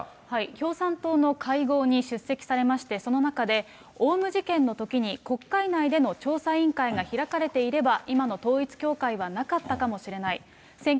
共産党の会合に出席されまして、その中で、オウム事件のときに国会内での調査委員会が開かれていれば、今の統一教会はなかったかもしれない。